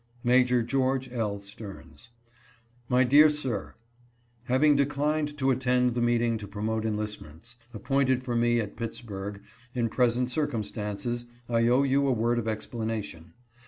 "Major George L. Stearns: "My Dear Sir, — Having declined to attend the meeting to promote enlistments, appointed for me at Pittsburgh, in present circumstances, I owe you a word of explanation.